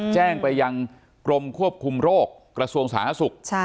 แจ้งไปยังกรมควบคุมโรคกระทรวงสาธารณสุข